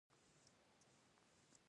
هغه د انګلیسانو سخت دښمن و.